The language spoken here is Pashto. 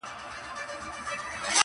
• په تياره كوڅه كي بيرته خاموشي سوه -